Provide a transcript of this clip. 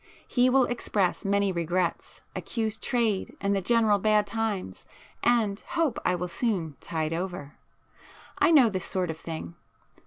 He will express many regrets, accuse trade and the general bad times and hope I will soon 'tide over.' I know the sort of thing.